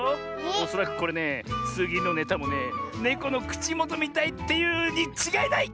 おそらくこれねつぎのネタもねネコのくちもとみたいっていうにちがいない！